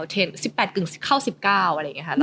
เทรน๑๘กึ่งเข้า๑๙อะไรอย่างนี้ค่ะ